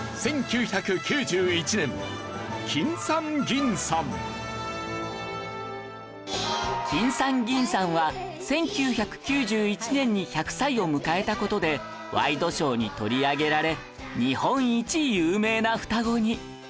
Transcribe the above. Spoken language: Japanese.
きんさんぎんさんは１９９１年に１００歳を迎えた事でワイドショーに取り上げられ日本一有名な双子に